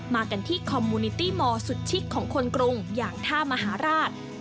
มากันที่คอมมูนิตี้มอร์สุดชิคของคนกรุงอย่างท่ามหาราช